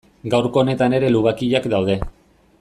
Gaurko honetan ere lubakiak daude.